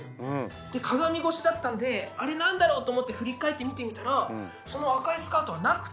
で鏡越しだったんで「あれ何だろう？」と思って振り返って見てみたらその赤いスカートはなくて。